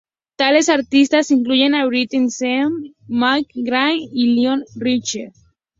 Tales artistas incluyen a Britney Spears, Macy Gray y Lionel Richie.